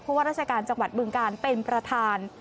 เพราะว่าราชการจังหวัดบึงการเป็นประธาน